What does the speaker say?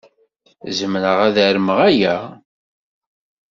Zemreɣ ad armeɣ aya?